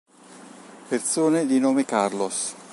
Persone di nome Carlos